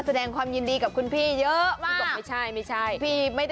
ตามที่ตั้งใจไว้